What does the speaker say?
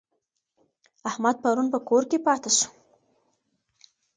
احمد پرون په کور کي پاته سو.